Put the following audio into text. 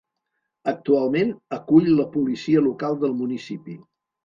Actualment, acull la Policia Local del municipi.